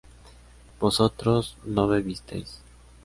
vosotros no bebisteis